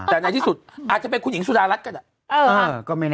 อาจจะเป็นคุณหญิงสุดารักษณ์ก็ได้